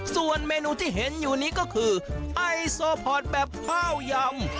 ส่วนเมนูที่เห็นอยู่นี้ก็คือไอโซพอร์ตแบบข้าวยำ